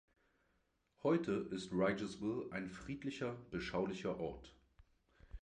Heute ist Riegelsville ein friedlicher, beschaulicher Ort.